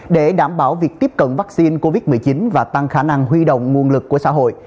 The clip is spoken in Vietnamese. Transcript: để đảm bảo việc tiếp cận vaccine covid một mươi chín và tăng khả năng huy động nguồn lực của xã hội